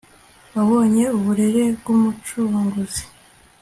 wabonye uburere bw'umucunguzi